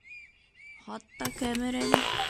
Хатта кәмер әле.